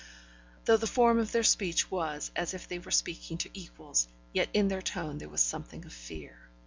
Though the form of their speech was as if they were speaking to equals, yet in their tone there was something of fear.